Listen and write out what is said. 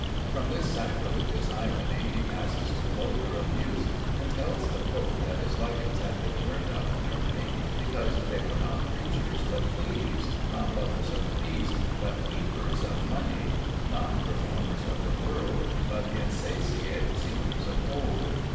From this sacrilegious irony he passes to vulgar abuse; and tells the pope that his legates had been turned out of Germany, because they were not preachers but thieves, not lovers of peace but heapers of money, not reformers of the world but insatiate seekers of gold.